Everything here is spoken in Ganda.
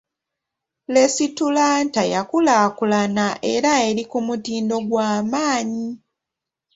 Lesitulanta yakulaakulana era eri kumutindo gwa manyi.